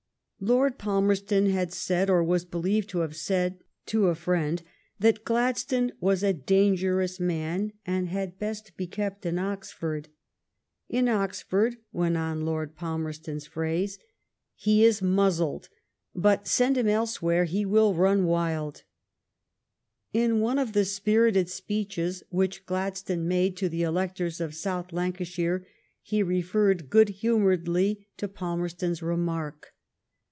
Lord Palmerston had said, or was believed to have said, to a friend, that Gladstone was a dan gerous man, and had best be kept in Oxford. " In Oxford," went on Lord Palmerston s phrase, " he is 244 THE STORY OF GLADSTONE'S LIFE muzzled, but send him elsewhere he will run wild/' In one of the spirited speeches which Gladstone made to the electors of South Lancashire he re ferred good humoredly to Palmerston's remark.